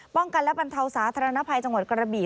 ป้องกันและบรรเทาสาธารณภัยจังหวัดกระบี่